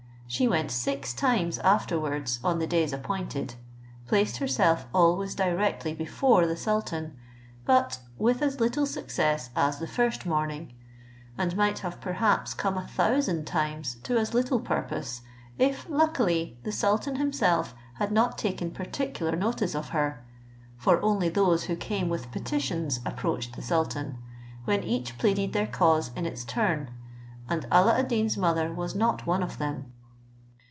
She went six times afterwards on the days appointed, placed herself always directly before the sultan, but with as little success as the first morning, and might have perhaps come a thousand times to as little purpose, if luckily the sultan himself had not taken particular notice of her: for only those who came with petitions approached the sultan, when each pleaded their cause in its turn, and Alla ad Deen's mother was not one of them.